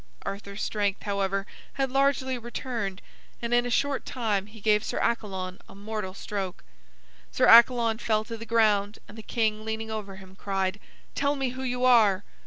Arthur's strength, however, had largely returned, and in a short time he gave Sir Accalon a mortal stroke. Sir Accalon fell to the ground, and the king, leaning over him, cried: "Tell me who you are."